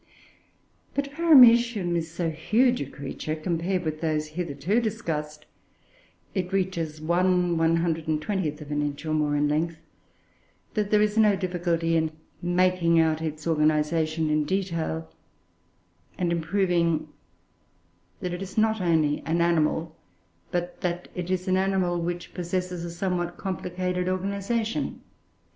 But Paramoecium is so huge a creature compared with those hitherto discussed it reaches 1/120 of an inch or more in length that there is no difficulty in making out its organisation in detail; and in proving that it is not only an animal, but that it is an animal which possesses a somewhat complicated organisation.